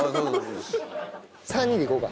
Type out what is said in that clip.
３人でいこうか。